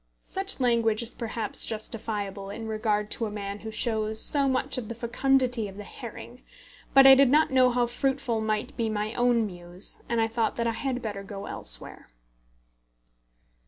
Such language is perhaps justifiable in regard to a man who shows so much of the fecundity of the herring; but I did not know how fruitful might be my own muse, and I thought that I had better go elsewhere.